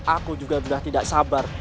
aku juga sudah tidak sabar